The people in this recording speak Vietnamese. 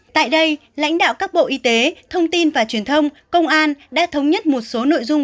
tại đây lãnh đạo các bộ y tế thông tin và truyền thông công an đã thống nhất một số nội dung